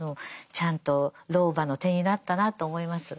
ちゃんと老婆の手になったなと思います。